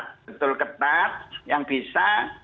betul ketat yang bisa